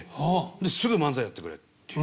ですぐ漫才やってくれっていう。